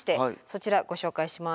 そちらご紹介します。